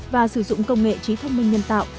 và sử dụng công nghệ trí thông minh nhân tạo